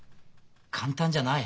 簡単じゃない。